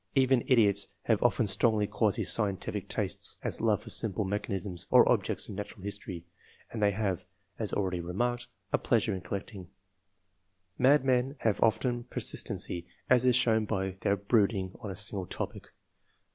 Even idiots have often strongly quasi scientific tastes, as love for simple me chanism, or objects of natural history ; and they have, as already remarked, a pleasure in collect ing. Madmen have often persistency, as is shown by their brooding on a single topic.